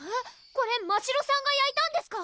これましろさんがやいたんですか？